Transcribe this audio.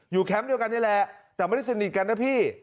แคมป์เดียวกันนี่แหละแต่ไม่ได้สนิทกันนะพี่